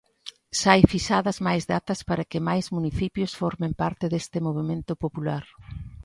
Xa hai fixadas máis datas para que máis municipios formen parte deste movemento popular.